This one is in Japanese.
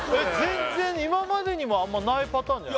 全然今までにもあんまりないパターンじゃない？